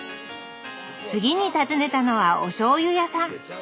次に訪ねたのはおしょうゆ屋さん。